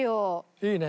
いいね。